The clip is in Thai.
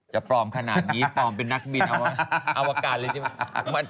จะปลอมขนาดนี้ปลอมเป็นนักบินอวกาศ